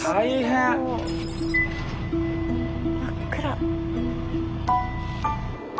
真っ暗。